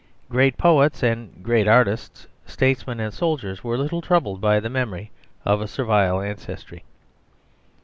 Great poets and great artists, statesmen and soldiers were little troubled by the memory of a servile ancestry.